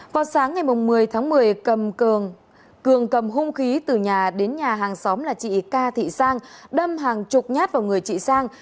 vào sáng ngày một mươi tháng một mươi cầm cường cầm hung khí từ nhà đến nhà hàng xóm là chị ca thị sang đâm hàng chục nhát vào người chị sang